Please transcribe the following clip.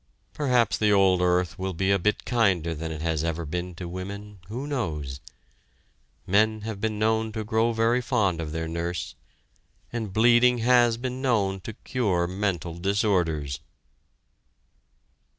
Perhaps the old earth will be a bit kinder than it has ever been to women, who knows? Men have been known to grow very fond of their nurse, and bleeding has been known to cure mental disorders!